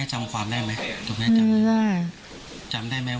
จำความได้ไหม